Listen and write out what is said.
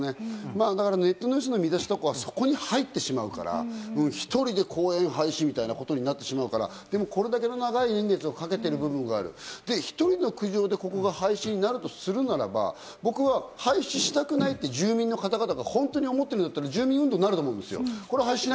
ネットニュースの見出しとか、そこに入ってしまうから、一人で公園廃止みたいなことになってしまうから、これだけ長い年月をかけてる部分がある、１人の苦情でここが廃止になるとするならば、廃止したくないって住民の方々が本当に思ってるなら、住民運動になると思う。